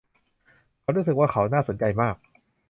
เรารู้สึกว่าเขาน่าสนใจมาก